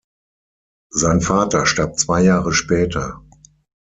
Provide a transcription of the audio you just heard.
Sein Vater starb zwei Jahre später.